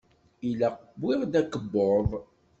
Ilaq wwiɣ-d akebbuḍ.